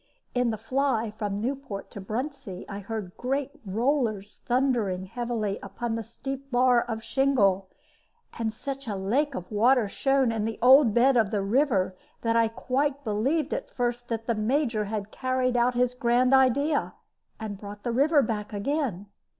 In the fly from Newport to Bruntsea I heard great rollers thundering heavily upon the steep bar of shingle, and such a lake of water shone in the old bed of the river that I quite believed at first that the Major had carried out his grand idea, and brought the river back again.